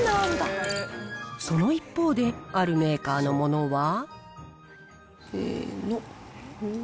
その一方で、あるメーカーのものは。せーの。